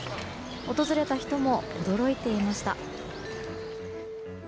訪れた人も驚いていました。